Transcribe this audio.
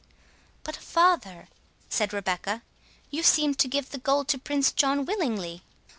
"But, father," said Rebecca, "you seemed to give the gold to Prince John willingly."